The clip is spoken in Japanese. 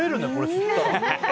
吸ったら。